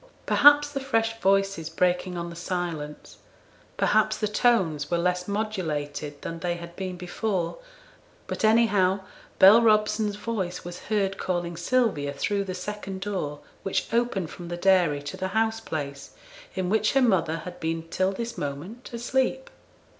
Perhaps the fresh voices breaking on the silence, perhaps the tones were less modulated than they had been before, but anyhow Bell Robson's voice was heard calling Sylvia through the second door, which opened from the dairy to the house place, in which her mother had been till this moment asleep.